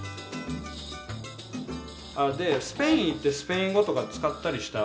でスペイン行ってスペイン語とか使ったりした？